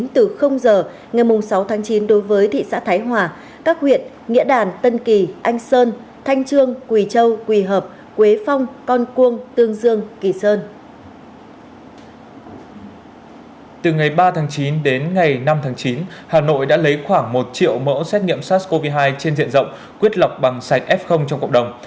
từ ngày ba tháng chín đến ngày năm tháng chín hà nội đã lấy khoảng một triệu mẫu xét nghiệm sars cov hai trên diện rộng quyết lọc bằng sạch f trong cộng đồng